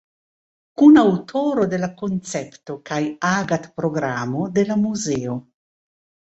Kunaŭtoro de la koncepto kaj agad-programo de la muzeo.